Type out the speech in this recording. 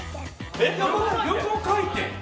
横回転。